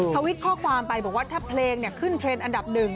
ทวิตข้อความไปบอกว่าถ้าเพลงขึ้นเทรนด์อันดับหนึ่ง